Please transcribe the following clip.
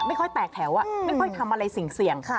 ไม่ค่อยแตกแถวไม่ค่อยทำอะไรเสี่ยง